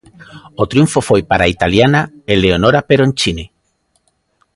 O triunfo foi para a italiana Eleonora Peroncini.